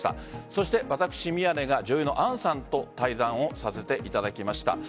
そして私、宮根が女優の杏さんと対談をさせていただきました。